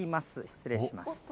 失礼します。